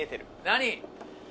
何？